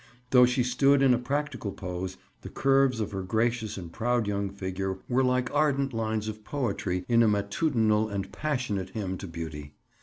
Though she stood in a practical pose, the curves of her gracious and proud young figure were like ardent lines of poetry in a matutinal and passionate hymn to beauty.